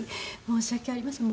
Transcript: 「申し訳ありません」。